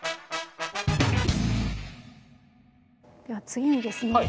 では次にですね